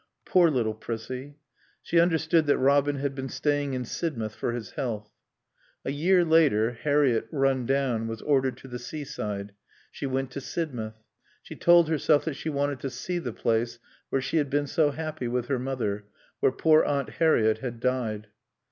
Poor little Prissie. She understood that Robin had been staying in Sidmouth for his health. A year later, Harriett, run down, was ordered to the seaside. She went to Sidmouth. She told herself that she wanted to see the place where she had been so happy with her mother, where poor Aunt Harriett had died.